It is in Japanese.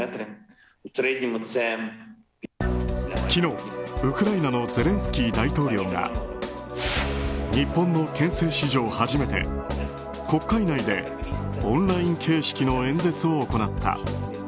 昨日、ウクライナのゼレンスキー大統領が日本の憲政史上初めて国会内でオンライン形式の演説を行った。